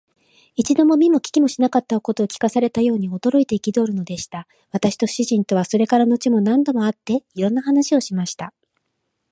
一度も見も聞きもしなかったことを聞かされたように、驚いて憤るのでした。私と主人とは、それから後も何度も会って、いろんな話をしました。